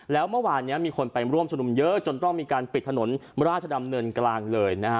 แล้วเมื่อวานนี้มีคนไปร่วมชุมนุมเยอะจนต้องมีการปิดถนนราชดำเนินกลางเลยนะฮะ